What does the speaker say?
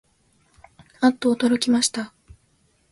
あっとおどろきました